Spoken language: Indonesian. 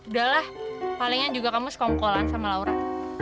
udahlah palingnya juga kamu sekongkolan sama laura